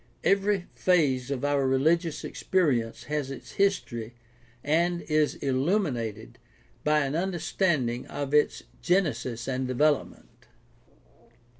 Every phase of our religious experience has its history and is illuminated by an understanding of its genesis and develop ment.